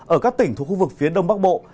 ở các tỉnh thuộc khu vực phía đông bắc bộ